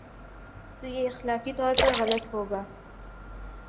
تو یہ اخلاقی طور پر غلط ہو گا۔